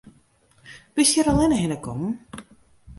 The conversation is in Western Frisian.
Bist hjir allinne hinne kommen?